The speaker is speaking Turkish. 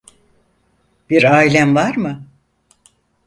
Bir ailen var mı?